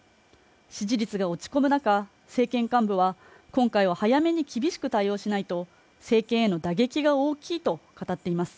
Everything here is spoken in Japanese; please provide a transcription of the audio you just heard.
支持率が落ち込む中、政権幹部は今回は早めに厳しく対応しないと政権への打撃が大きいと語っています。